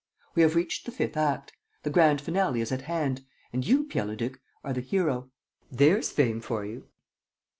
We have reached the fifth act; the grand finale is at hand; and you, Pierre Leduc, are the hero. There's fame for you!"